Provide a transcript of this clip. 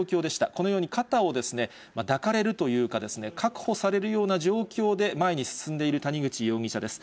このように肩を抱かれるというか、確保されるような状況で前に進んでいる谷口容疑者です。